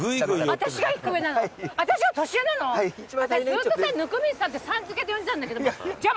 ずーっと「温水さん」ってさん付けで呼んでたんだけどじゃあ